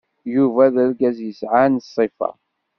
Yuba d argaz yesɛan ṣṣifa.